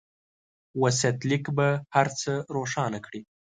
وصيت ليک به هر څه روښانه کړي.